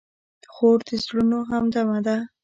خور د زړونو همدمه ده.